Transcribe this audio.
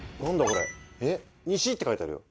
これえっ「西」って書いてあるよ。